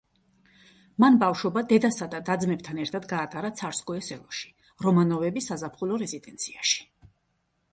მან ბავშვობა დედასა და და-ძმებთან ერთად გაატარა ცარსკოე-სელოში, რომანოვების საზაფხულო რეზიდენციაში.